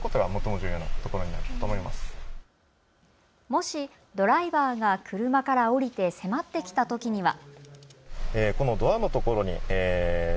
もしドライバーが車から降りて迫ってきたときには。